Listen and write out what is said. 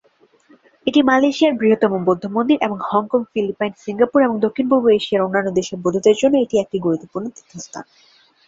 এটি মালয়েশিয়ার বৃহত্তম বৌদ্ধ মন্দির, এবং হংকং, ফিলিপাইন, সিঙ্গাপুর এবং দক্ষিণ-পূর্ব এশিয়ার অন্যান্য দেশের বৌদ্ধদের জন্য এটি একটি গুরুত্বপূর্ণ তীর্থস্থান।